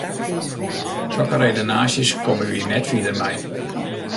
Sokke redenaasjes komme wy net fierder mei.